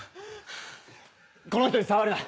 この人に触るな！